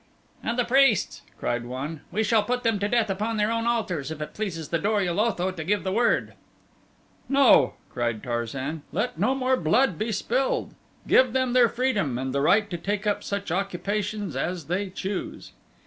"And the priests," cried one. "We shall put them to death upon their own altars if it pleases the Dor ul Otho to give the word." "No," cried Tarzan. "Let no more blood be spilled. Give them their freedom and the right to take up such occupations as they choose."